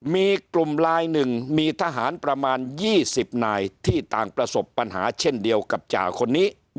มีกลุ่มลายหนึ่งมีทหารประมาณ๒๐นายที่ต่างประสบปัญหาเช่นเดียวกับจ่าคนนี้